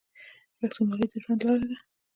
پښتونولي د ژوند لاره ده.